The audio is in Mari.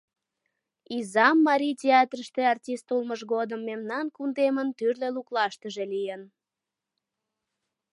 Изам марий театрыште артист улмыж годым мемнан кундемын тӱрлӧ луклаштыже лийын.